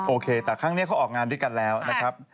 โอเคแต่ครั้งนี้เขาออกงานด้วยกันแล้วนะครับ